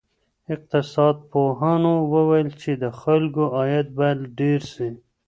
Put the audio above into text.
اقتصاد پوهانو وویل چې د خلکو عاید باید ډېر سي.